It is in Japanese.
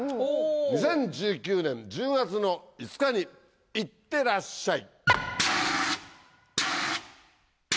２０１９年１０月の５日にいってらっしゃい。